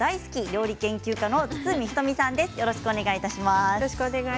料理研究家の堤人美さんです。